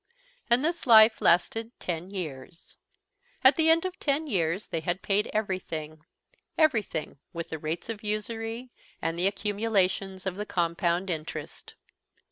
And this life lasted ten years. At the end of ten years they had paid everything, everything, with the rates of usury, and the accumulations of the compound interest.